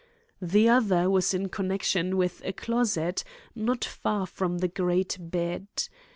The other was in connection with a closet not far from the great bed.